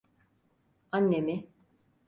Annemi.